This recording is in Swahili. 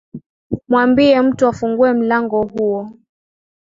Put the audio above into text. Mwambie mtu afungue mlango huo